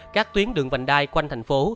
các tuyến đường vành đai quanh thành phố